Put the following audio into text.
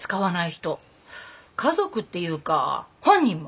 家族っていうか本人も。